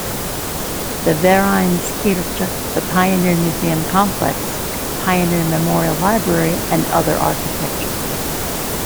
The Vereins Kirche, the Pioneer Museum Complex, Pioneer Memorial Library, and other architecture.